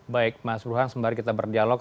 baik mas buruhan sementara kita berdialog